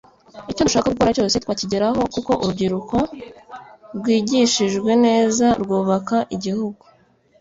icyo dushaka kugora cyose twakigeraho kuko urubyiruko rwigishijwe neza rwubaka igihugu